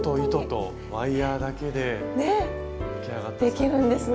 ねできるんですね！